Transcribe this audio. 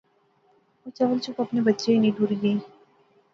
او چول چپ اپنے بچے ہنی ٹری گئی